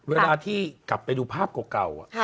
เวลาที่กลับไปดูภาพเก่า